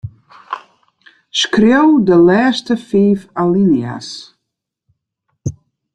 Skriuw de lêste fiif alinea's.